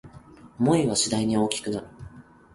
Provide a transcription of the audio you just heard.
想いは次第に大きくなる